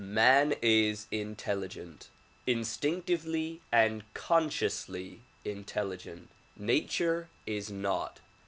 Man is intelligent, instinctively and consciously intelligent; nature is not.